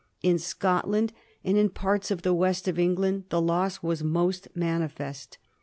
In Scotland and in parts of the west of England the loss was most manifest.